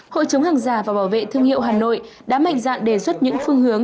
hội chống hàng giả và bảo vệ thương hiệu hà nội đã mạnh dạn đề xuất những phương hướng